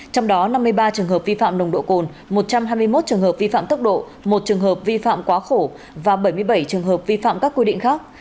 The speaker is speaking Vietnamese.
trong đó năm mươi ba trường hợp vi phạm nồng độ cồn một trăm hai mươi một trường hợp vi phạm tốc độ một trường hợp vi phạm quá khổ và bảy mươi bảy trường hợp vi phạm các quy định khác